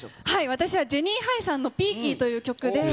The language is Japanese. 私は、ジェニーハイさんのピーキーという曲で。